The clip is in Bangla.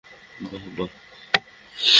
বাহ, বাহ!